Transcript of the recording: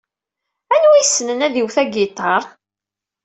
Anwa yessnen ad iwet agiṭar?